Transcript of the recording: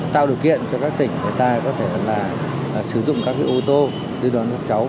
tạo điều kiện cho các tỉnh người ta có thể sử dụng các ô tô đưa đón các cháu